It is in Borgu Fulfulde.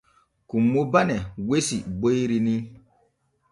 Kummo bane wesi boyri ni.